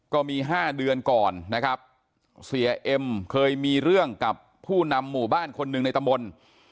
ก็มี๕เดือนก่อนนะครับเสียเอ็มเคยมีเรื่องกับผู้นำหมู่บ้านคนหนึ่งในตำบล